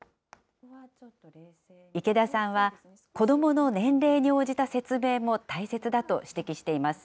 池田さんは、子どもの年齢に応じた説明も大切だと指摘しています。